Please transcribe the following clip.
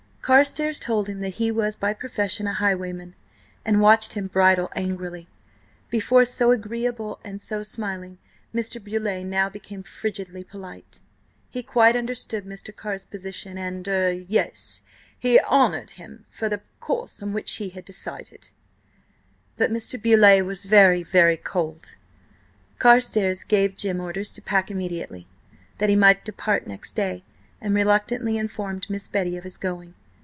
Carstares told him that he was by profession a highwayman, and watched him bridle angrily. Before so agreeable and so smiling, Mr. Beauleigh now became frigidly polite. He quite understood Mr. Carr's position, and–er–yes, he honoured him for the course on which he had decided. But Mr. Beauleigh was very, very cold. Carstares gave Jim orders to pack immediately, that he might depart next day, and reluctantly informed Miss Betty of his going.